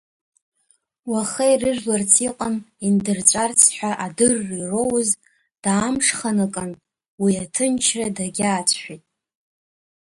Уаха ирыжәларц иҟан индырҵәарц ҳәа адырра ироуз даамҽханакын, уи аҭынчра дагьаацәшәеит.